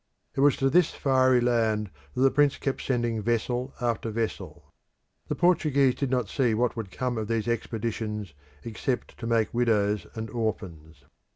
It was to this fiery land that the Prince kept sending vessel after vessel. The Portuguese did not see what would come of these expeditions except to make widows and orphans.